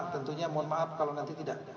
tentunya mohon maaf kalau nanti tidak